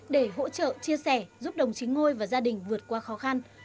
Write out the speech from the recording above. để hỗ trợ chia sẻ giúp đồng chí ngôi và gia đình vượt qua khó khăn